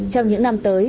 trong những năm tới